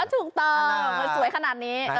ถูกตอบสวยขนาดนี้